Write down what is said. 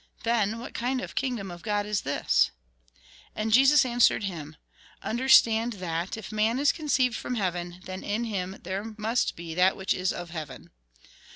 Then, what kind of a kingdom of God is this ?" And Jesus answered him :" Understand that, if man is conceived from heaven, then in him there must be that which is of heaven."